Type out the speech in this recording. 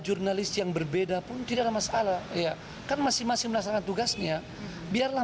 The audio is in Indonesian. jurnalis yang berbeda pun tidak masalah iya kan masing masing masalah tugasnya biarlah